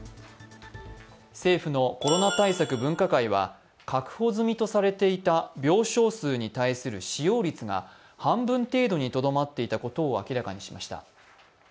政府のコロナ対策分科会は確保済みとされていた病床数に対する使用率が半分程度にとどまっていたことを明らかにしました。